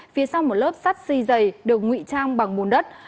phía sau một lớp sắt xi dày được ngụy trang bằng mùn đất